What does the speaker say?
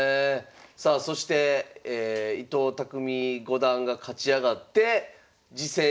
さあそして伊藤匠五段が勝ち上がって次戦